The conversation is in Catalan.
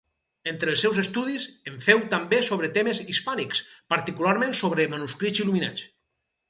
Entre els seus estudis, en féu també sobre temes hispànics, particularment sobre manuscrits il·luminats.